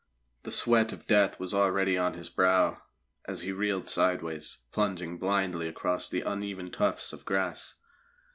_" The sweat of death was already on his brow as he reeled sideways, plunging blindly across the uneven tufts of grass.